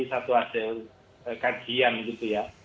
satu hasil kajian gitu ya